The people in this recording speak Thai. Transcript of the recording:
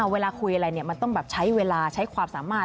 เวลาคุยอะไรมันต้องแบบใช้เวลาใช้ความสามารถ